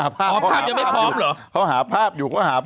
อ๋อภาพยังไม่พร้อมเหรอเขาหาภาพอยู่เขาหาภาพอยู่